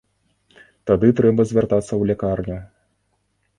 Тады трэба звяртацца ў лякарню.